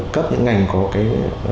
cấp những ngành có cái